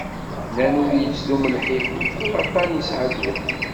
Nnan ur yettdum lḥif, mkul aṭṭan yesεa ddwa.